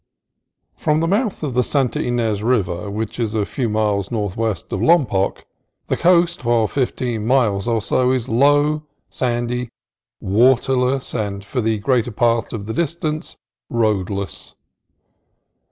From the mouth of the Santa Ynez River, which is a few miles northwest of Lompoc, the coast for fifteen miles or so is low, sandy, waterless, and, for the greater part of the distance, roadless.